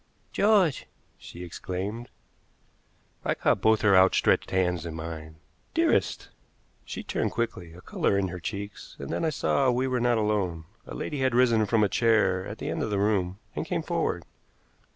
"George!" she exclaimed. I caught both her outstretched hands in mine. "Dearest!" She turned quickly, a color in her cheeks, and then I saw that we were not alone. A lady had risen from a chair at the end of the room, and came forward.